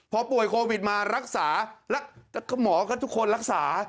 พอป่วยโควิดมารักษาแล้วหมอก็ทุกคนรักษา